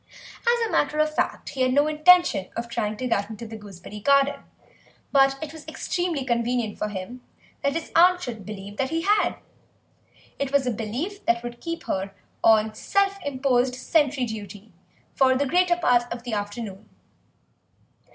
As a matter of fact, he had no intention of trying to get into the gooseberry garden, but it was extremely convenient for him that his aunt should believe that he had; it was a belief that would keep her on self imposed sentry duty for the greater part of the afternoon.